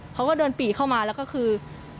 เขาก็เดินปี่เข้ามาแล้วก็คือ